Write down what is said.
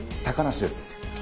高梨です。